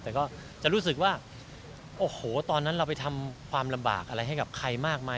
แต่ก็จะรู้สึกว่าโอ้โหตอนนั้นเราไปทำความลำบากอะไรให้กับใครมากมาย